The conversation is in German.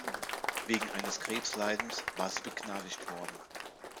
Wegen eines Krebsleidens war sie begnadigt worden.